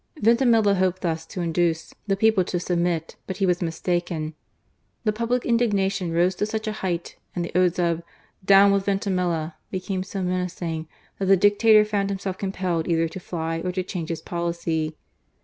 Vintimilia hoped thus to induce the people to submit, but he was mistaken. The public indignation rose to such a height, and the cries of "Down with Vintimilia" became so THE DICTATOR VINTIMI^LLA. 323 menacing, that the Dictator found himself com pelled either to fly or to change his poUcy.